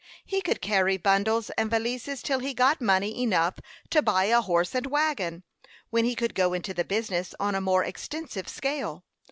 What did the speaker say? He could carry bundles and valises till he got money enough to buy a horse and wagon, when he could go into the business on a more extensive scale.